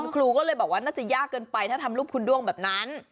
ครูก็เลยบอกว่าน่าจะยากเกินไปถ้าทำรูปคุณด้วงแบบนั้น